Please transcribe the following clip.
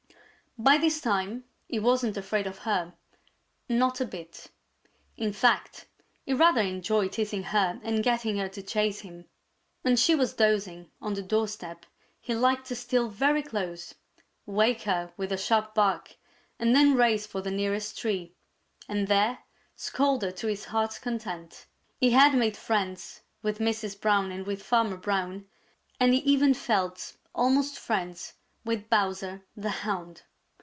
By this time he wasn't afraid of her; not a bit. In fact, he rather enjoyed teasing her and getting her to chase him. When she was dozing on the doorstep he liked to steal very close, wake her with a sharp bark, and then race for the nearest tree, and there scold her to his heart's content. He had made friends with Mrs. Brown and with Farmer Brown, and he even felt almost friends with Bowser the Hound.